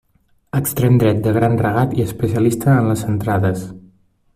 Extrem dret de gran regat i especialista en les centrades.